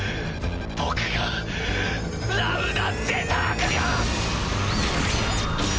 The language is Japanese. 僕がラウダ・ジェタークが！